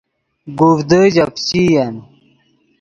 گوڤدے ژے پیچئین